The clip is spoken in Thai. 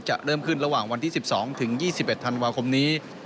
จะเริ่มขึ้นระหว่างวันที่๑๒ถึง๒๒๑ธันวาคมนี้